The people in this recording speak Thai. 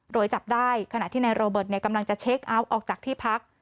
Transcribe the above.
โดยจับได้ขณะที่นายโรเบิร์ตกำลังจะเช็คเอาท์ออกจากที่พัก